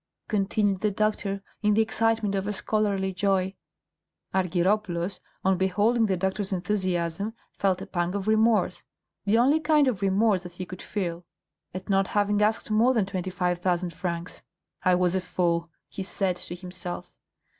continued the doctor, in the excitement of a scholarly joy. Argyropoulos, on beholding the doctor's enthusiasm, felt a pang of remorse, the only kind of remorse that he could feel, at not having asked more than twenty five thousand francs. "I was a fool!" he said to himself.